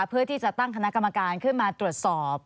เพื่อที่จะตั้งคณะกรรมการขึ้นมาตรวจสอบ